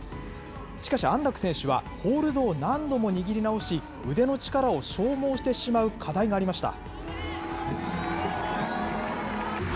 しかし安楽選手は、ホールドを何度も握り直し、腕の力を消耗してしまう課題がありました。